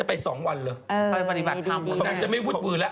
ฉันยังไม่เคยไปสักวันหนึ่งเลย